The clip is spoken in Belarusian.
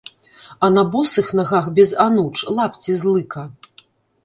А на босых нагах, без ануч, лапці з лыка.